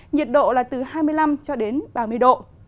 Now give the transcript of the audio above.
nhiệt độ là từ hai mươi năm ba mươi độ